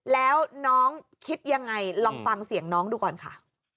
แล้วน้องคิดยังไงลองฟังเสียงน้องดูก่อนค่ะ